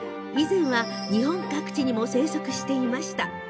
以前は日本各地にも生息していました。